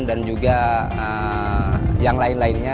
dan juga yang lain lainnya